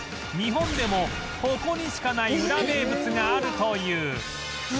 日本でもここにしかないウラ名物があるという